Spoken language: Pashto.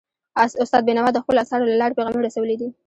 استاد بینوا د خپلو اثارو له لارې پیغامونه رسولي دي.